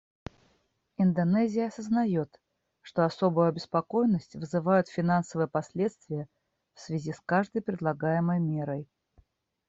Индонезия осознает, что особую обеспокоенность вызывают финансовые последствия в связи с каждой предлагаемой мерой.